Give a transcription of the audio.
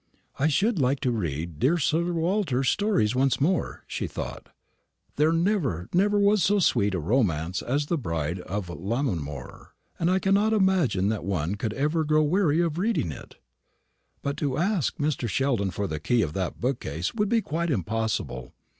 "I should like to read dear Sir Walter's stories once more," she thought; "there never, never was so sweet a romance as the 'Bride of Lammermoor,' and I cannot imagine that one could ever grow weary of reading it. But to ask Mr. Sheldon for the key of that bookcase would be quite impossible.